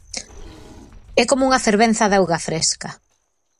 É como unha fervenza de auga fresca.